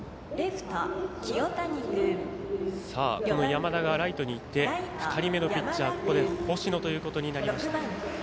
山田がライトにいって２人目のピッチャー、ここで星野ということになりました。